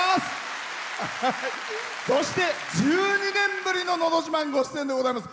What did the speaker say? そして１２年ぶりの「のど自慢」にご出演でございます。